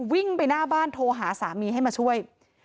วิ่งไปหน้าบ้านโทรหาสามีให้มาช่วย